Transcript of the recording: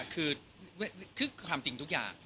คือความจริงทุกอย่าง